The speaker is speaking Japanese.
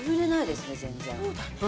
そうだね。